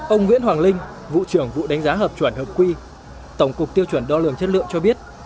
ông nguyễn hoàng linh vụ trưởng vụ đánh giá hợp chuẩn hợp quy tổng cục tiêu chuẩn đo lường chất lượng cho biết